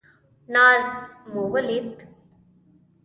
ناز مو ولید.